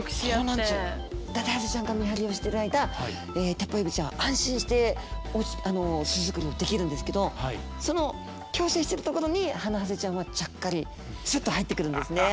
ダテハゼちゃんが見張りをしてる間テッポウエビちゃんは安心して巣作りをできるんですけどその共生してるところにハナハゼちゃんはちゃっかりすっと入ってくるんですね。